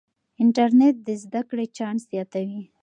انټرنیټ د زده کړې چانس زیاتوي.